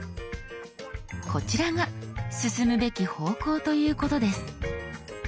こちらが進むべき方向ということです。